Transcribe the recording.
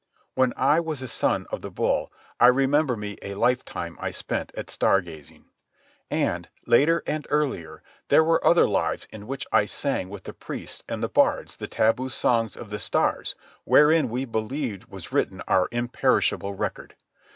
When I was a Son of the Bull, I remember me a lifetime I spent at star gazing. And, later and earlier, there were other lives in which I sang with the priests and bards the taboo songs of the stars wherein we believed was written our imperishable record.